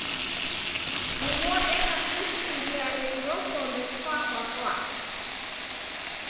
Huw'o eka suti uriare iro sombe shwa kwa shwa.